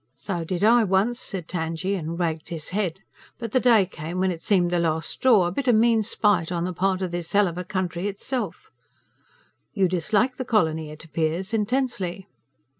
"So did I, once," said Tangye, and wagged his head. "But the day came when it seemed the last straw; a bit o' mean spite on the part o' this hell of a country itself." "You dislike the colony, it appears, intensely?"